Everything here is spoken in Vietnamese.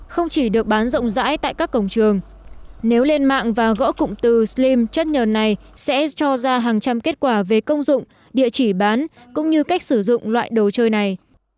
không chỉ được bán rộng rãi tại các cổng trường nếu lên mạng và gõ cụm từ slim chất nhờn này sẽ cho ra hàng trăm kết quả về công dụng địa chỉ bán cũng như cách sử dụng loại đồ chơi này